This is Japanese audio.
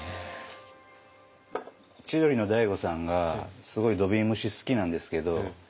千鳥の大悟さんがすごい土瓶蒸し好きなんですけど。